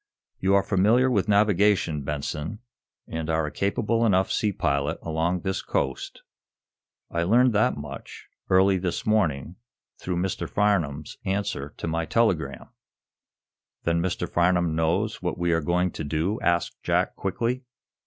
"You are familiar with navigation, Benson, and are a capable enough sea pilot along this coast. I learned that much, early this morning, through Mr. Farnum's answer to my telegram." "Then Mr. Farnum knows what we are going to do?" asked Jack, quickly.